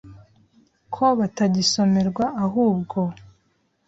ko batagisomerwa ahubwo